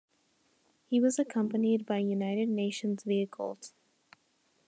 He was accompanied by United Nations vehicles.